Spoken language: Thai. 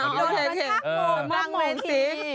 ฆ่าจักหงงนั่งวงที